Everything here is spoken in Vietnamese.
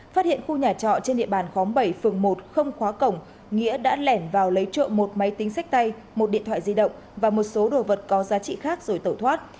phát hiện khu nhà trọ trên địa bàn khóm bảy phường một không khóa cổng nghĩa đã lẻn vào lấy trộm một máy tính sách tay một điện thoại di động và một số đồ vật có giá trị khác rồi tẩu thoát